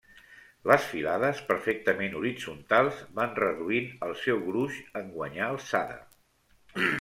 Les filades, perfectament horitzontals, van reduint el seu gruix en guanyar alçada.